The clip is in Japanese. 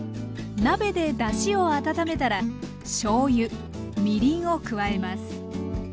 鍋でだしを温めたらしょうゆみりんを加えます。